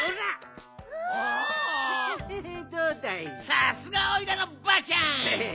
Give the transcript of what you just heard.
さすがおいらのばあちゃん！